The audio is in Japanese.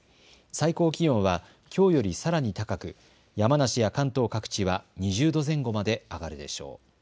最高気温はきょうよりさらに高く山梨や関東各地は２０度前後まで上がるでしょう。